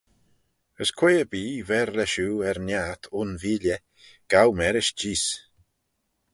As quoi-erbee ver lesh oo er niart un veeley, gow mârish jees.